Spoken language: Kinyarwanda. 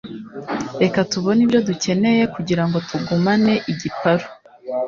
Reka tubone ibyo dukeneye kugirango tugumane igiparu